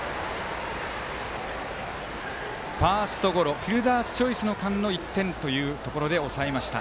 ファーストゴロフィルダースチョイスの間の１点で抑えました。